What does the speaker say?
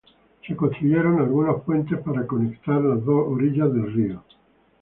Se construyeron algunos puentes para conectar las dos orillas del río.